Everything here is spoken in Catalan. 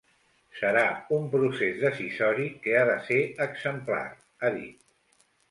Serà un procés decisori que ha de ser exemplar, ha dit.